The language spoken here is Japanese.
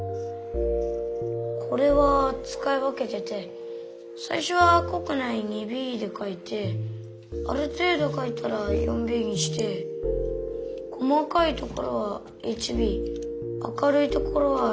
これはつかい分けててさいしょはこくない２Ｂでかいてあるていどかいたら４Ｂにして細かいところはＨＢ明るいところは２Ｈとか。